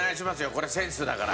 これセンスだから。